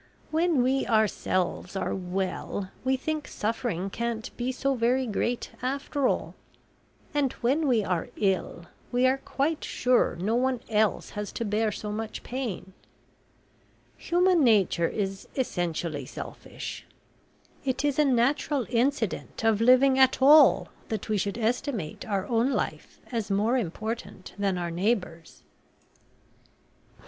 "When we ourselves are well, we think suffering can't be so very great after all, and when we are ill we are quite sure no one else has to bear so much pain. Human nature is essentially selfish. It is a natural incident of living at all that we should estimate our own life as more important than our neighbours."